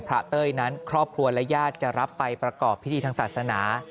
เต้ยนั้นครอบครัวและญาติจะรับไปประกอบพิธีทางศาสนา